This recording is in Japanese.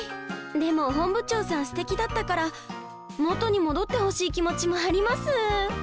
でも本部長さんすてきだったから元に戻ってほしい気持ちもあります。